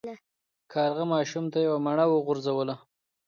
کارغه ماشوم ته یوه مڼه وغورځوله.